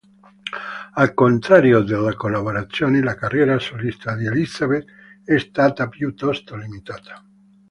Al contrario delle collaborazioni, la carriera solista di Elizabeth è stata piuttosto limitata.